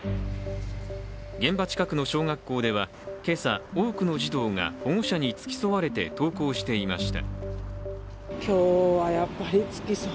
現場近くの小学校では、今朝、多くの児童が保護者に付き添われて登校していました。